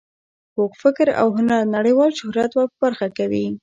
پوخ فکر او هنر نړیوال شهرت ور په برخه کوي.